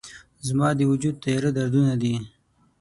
زما د وجود تیاره دردونه دي